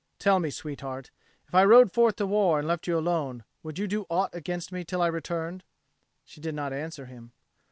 Tell me, sweetheart, if I rode forth to war and left you alone, would you do aught against me till I returned?" She did not answer him.